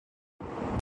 نماز پڑھی جاسکتی ہے۔